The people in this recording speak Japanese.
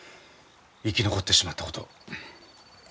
生き残ってしまったことを。